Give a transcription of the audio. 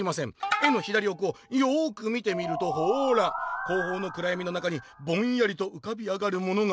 絵の左おくをよく見てみるとほら後方のくらやみの中にぼんやりとうかび上がるものが」。